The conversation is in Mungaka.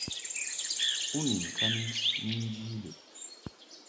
U ni ŋkani ni nji lɨʼ.